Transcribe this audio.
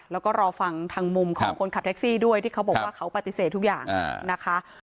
แล้วก็รอฟังทางมุมของคนขับแท็กซี่ด้วยที่เขาบอกว่าเขาปฏิเสธทุกอย่างนะคะ